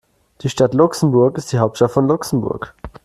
Die Stadt Luxemburg ist die Hauptstadt von Luxemburg.